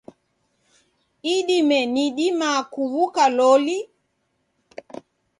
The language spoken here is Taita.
Idime nidima kuw'uka lolo?